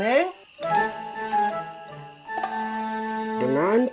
dengan tidak mengurangi